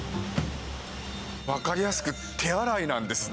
わかりやすく手洗いなんですね。